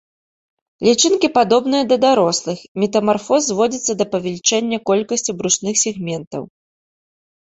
Лічынкі падобныя да дарослых, метамарфоз зводзіцца да павелічэння колькасці брушных сегментаў.